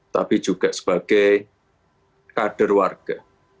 tapi juga sebagai kader warga